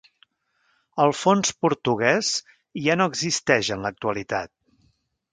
El fons portuguès ja no existeix en l'actualitat.